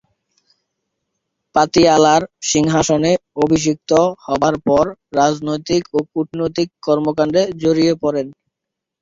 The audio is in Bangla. পাতিয়ালার সিংহাসনে অভিষিক্ত হবার পর রাজনৈতিক ও কূটনৈতিক কর্মকাণ্ডে জড়িয়ে পরেন।